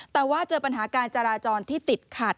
แต่ว่าเจอปัญหาการจราจรที่ติดขัด